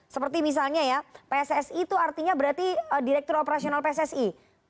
seperti misalnya ya pssi itu artinya berarti direktur operasional pssi